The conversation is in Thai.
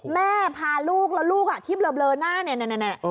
แม่พาลูกแล้วลูกที่เบลอหน้าเนี่ย